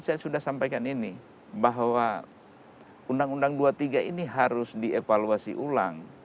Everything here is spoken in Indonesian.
saya sudah sampaikan ini bahwa undang undang dua puluh tiga ini harus dievaluasi ulang